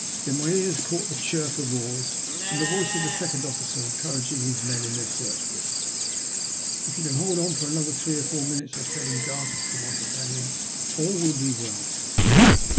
Then my ears caught the chirp of oars, and the voice of the second officer encouraging his men in their search for us. "If you can hold on for another three or four minutes," I said in gasps to my companion, "all will be well."